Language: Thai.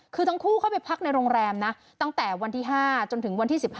คือทั้งคู่เข้าไปพักในโรงแรมนะตั้งแต่วันที่๕จนถึงวันที่๑๕